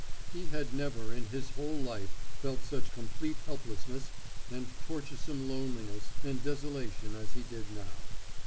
He had never in his whole life felt such complete helplessness and torturesome loneliness and desolation as he did now.